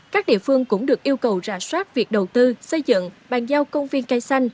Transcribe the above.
các địa phương cũng được yêu cầu rà soát việc đầu tư xây dựng bàn giao công viên cây xanh